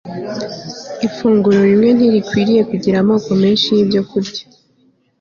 Ifunguro rimwe ntirikwiriye kugira amoko menshi yibyokurya